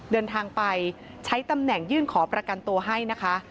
เดินทางไปใช้ตำแหน่งยื่นขอประกันตัวให้นะคะ